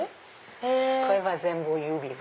これは全部指輪。